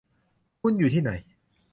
คุณอยู่ที่ไหน ?